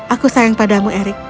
aku sayang padamu eric